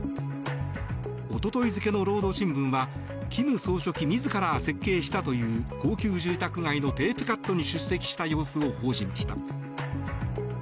一昨日付の労働新聞は金総書記自ら設計したという高級住宅街のテープカットに出席した様子を報じました。